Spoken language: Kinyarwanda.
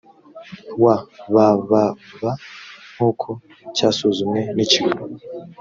wa bbb nk uko cyasuzumwe n ikigo